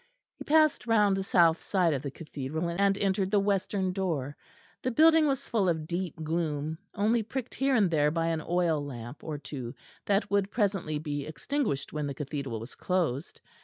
He passed round the south side of the Cathedral, and entered the western door. The building was full of deep gloom only pricked here and there by an oil lamp or two that would presently be extinguished when the Cathedral was closed.